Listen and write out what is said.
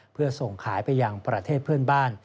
เพื่อส่งขายไปยังประเทศเพื่อนบ้าน